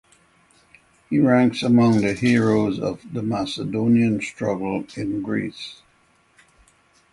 He ranks among the heroes of the Macedonian Struggle in Greece.